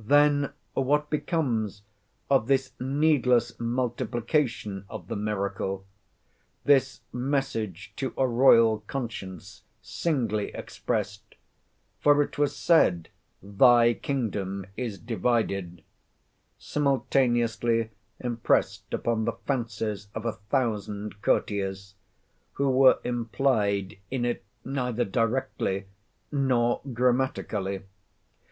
Then what becomes of this needless multiplication of the miracle? this message to a royal conscience, singly expressed—for it was said, "thy kingdom is divided,"—simultaneously impressed upon the fancies of a thousand courtiers, who were implied in it neither directly nor grammatically?